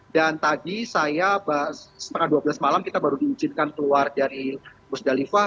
dan tadi saya setengah dua belas malam kita baru diizinkan keluar dari busdalifah